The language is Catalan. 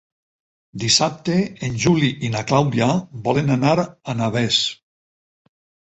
Dissabte en Juli i na Clàudia volen anar a Navès.